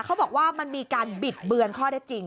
เขาบอกว่ามันมีการบิดเบือนข้อได้จริง